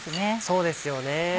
そうですよね。